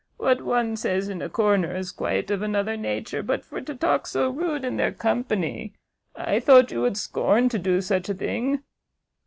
what one says in a corner, is quite of another nature; but for to talk so rude in their company, I thought you would scorn to do such a thing."